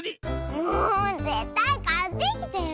もうぜったいかってきてよ。